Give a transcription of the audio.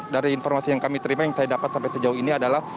dari informasi yang kami terima yang saya dapat sampai sejauh ini adalah